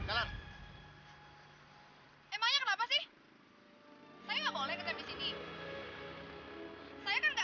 gandaria gandaria gandaria